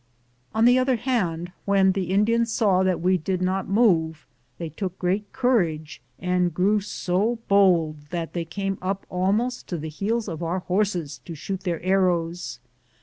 On the other hand, when the Indians saw that we did not move, they took greater courage, and grew so bold that they came up almost to the heels of our horses to shoot their arrows.